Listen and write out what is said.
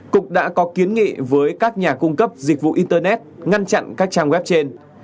cục đã có kiến nghị với các nhà cung cấp dịch vụ internet ngăn chặn các trang web trên